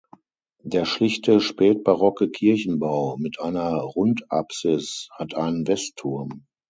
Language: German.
Der schlichte spätbarocke Kirchenbau mit einer Rundapsis hat einen Westturm.